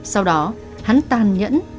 sau đó hắn tàn nhẫn